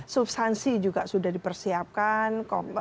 substansi juga sudah dipersiapkan